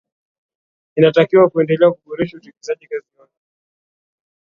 inatakiwa kuendelea kuboresha utendaji kazi wake